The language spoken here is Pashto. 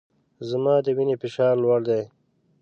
زما د وینې فشار لوړ دی